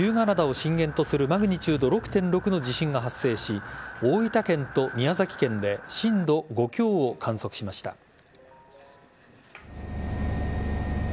灘を震源とするマグニチュード６．６の地震が発生し大分県と宮崎県で震度５強を観測しました。